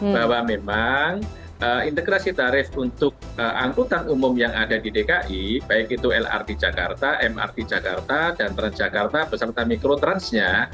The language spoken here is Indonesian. bahwa memang integrasi tarif untuk angkutan umum yang ada di dki baik itu lrt jakarta mrt jakarta dan transjakarta beserta mikrotransnya